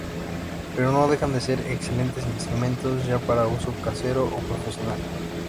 Pero no dejan de ser excelentes instrumentos, ya para uso casero o profesional.